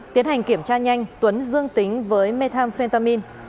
tiến hành kiểm tra nhanh tuấn dương tính với methamphetamin